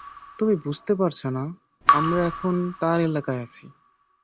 তুমি বুঝতে পারছো না আমরা এখন তার এলাকায় আছি।